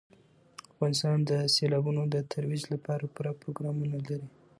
افغانستان د سیلابونو د ترویج لپاره پوره پروګرامونه لري.